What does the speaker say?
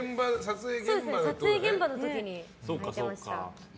撮影現場の時に履いてました。